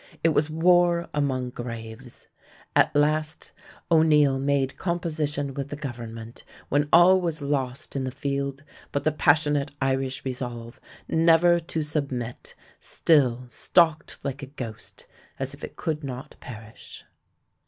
It was war among graves. At last O'Neill made composition with the government when all was lost in the field, but the passionate Irish resolve never to submit still stalked like a ghost, as if it could not perish.